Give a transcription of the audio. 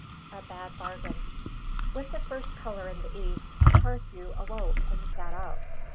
A BAD BARGAIN. With the first colour in the east, Carthew awoke and sat up.